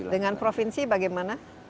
dengan provinsi bagaimana